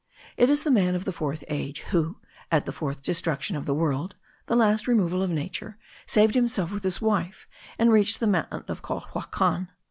It is the man of the Fourth Age; who, at the fourth destruction of the world (the last renovation of nature), saved himself with his wife, and reached the mountain of Colhuacan.